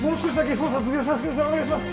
お願いします！